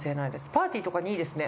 パーティーとかにいいですね